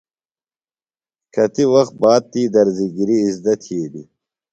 کتیۡ وخت باد تی درزیۡ گِری اِزدہ تِھیلیۡ۔